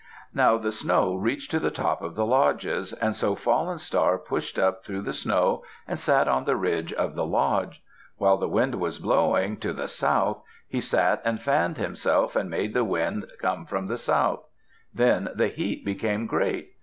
Now the snow reached to the top of the lodges, and so Fallen Star pushed up through the snow, and sat on the ridge of the lodge. While the wind was blowing to the south, he sat and fanned himself and made the wind come from the south. Then the heat became great.